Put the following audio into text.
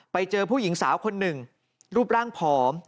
ไปเจอผู้หญิงสาวคนหนึ่งรูปร่างผอม